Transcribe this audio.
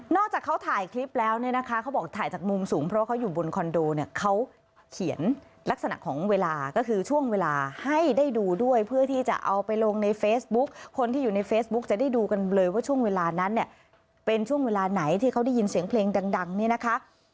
จากเขาถ่ายคลิปแล้วเนี่ยนะคะเขาบอกถ่ายจากมุมสูงเพราะเขาอยู่บนคอนโดเนี่ยเขาเขียนลักษณะของเวลาก็คือช่วงเวลาให้ได้ดูด้วยเพื่อที่จะเอาไปลงในเฟซบุ๊คคนที่อยู่ในเฟซบุ๊กจะได้ดูกันเลยว่าช่วงเวลานั้นเนี่ยเป็นช่วงเวลาไหนที่เขาได้ยินเสียงเพลงดังเนี่ยนะคะ